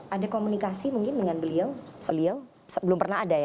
ada komunikasi mungkin dengan beliau beliau belum pernah ada ya